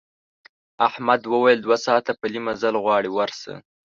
احمد وویل دوه ساعته پلی مزل غواړي ورشه.